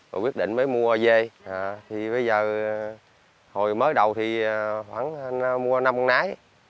rồi quyết định mới mua về thì bây giờ hồi mới đầu thì khoảng mua năm con nái